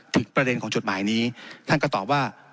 ประเด็นของจดหมายนี้ท่านก็ตอบว่า